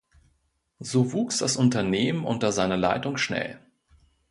So wuchs das Unternehmen unter seiner Leitung schnell.